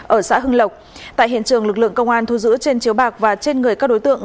ở xã hưng lộc tại hiện trường lực lượng công an thu giữ trên chiếu bạc và trên người các đối tượng